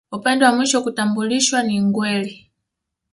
Upande wa mwisho kutambulishwa ni Ngweli